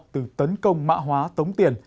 từ tấn công mạ hóa tống tiền